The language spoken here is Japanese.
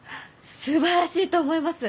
すばらしいと思います！